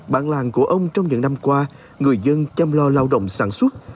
bản làng của ông trong những năm qua người dân chăm lo lao động sản xuất